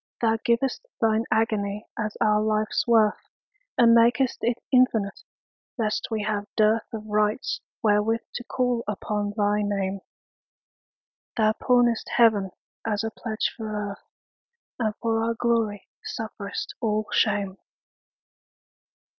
Thou giv'st Thine agony as our life's worth, And mak'st it infinite, lest we have dearthOf rights wherewith to call upon thy Name; Thou pawnest Heaven as a pledge for Earth, And for our glory sufferest all shame.